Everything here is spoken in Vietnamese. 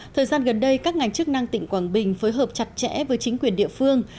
thời gian gần đây các ngành chức năng tỉnh quảng bình phối hợp chặt chẽ với chính quyền địa phương